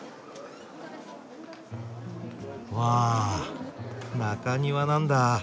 わあ中庭なんだ。